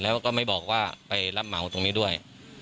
แล้วก็ไม่บอกว่าไปรับเหมาตรงนี้ด้วย